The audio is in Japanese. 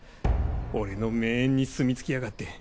俺の女園に住み着きやがって。